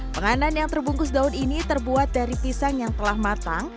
penganan yang terbungkus daun ini terbuat dari pisang yang telah matang